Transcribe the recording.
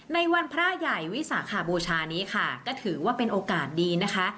ในวันพระใหญ่วิสาขบูชานี้ค่ะก็ถือว่าเป็นโอกาสดีนะคะ